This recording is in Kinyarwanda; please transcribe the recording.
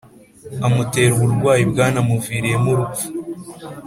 amutera uburwayi bwanamuviriyemo urupfu.